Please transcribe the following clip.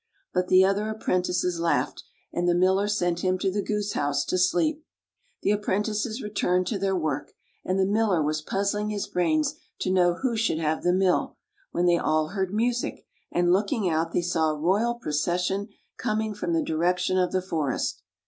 But the other apprentices laughed, and the Miller sent him to the goose house to sleep. The apprentices returned to their work, and the Miller was puzzling his brains to know who should have the mill, when they all heard music, and looking out they saw a royal procession coming from the direction of the forest.